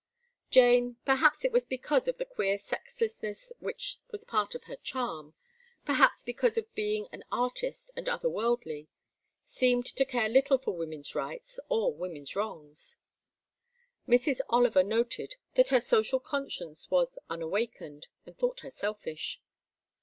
Jane perhaps it was because of the queer sexlessness which was part of her charm, perhaps because of being an artist, and other worldly seemed to care little for women's rights or women's wrongs. Mrs. Oliver noted that her social conscience was unawakened, and thought her selfish.